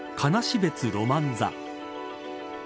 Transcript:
別ロマン座。